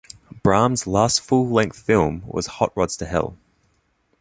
Brahm's last full-length film was "Hot Rods to Hell".